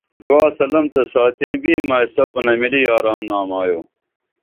دعا سلم تہ ساتیں بیمہ سپُنہ مِلی یاران نامایو